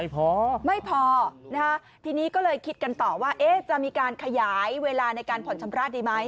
พอไม่พอนะคะทีนี้ก็เลยคิดกันต่อว่าจะมีการขยายเวลาในการผ่อนชำระดีไหม